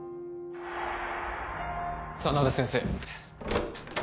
真田先生